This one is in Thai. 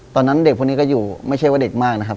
ตอนนั้นเด็กพวกนี้ก็อยู่ไม่ใช่ว่าเด็กมากนะครับ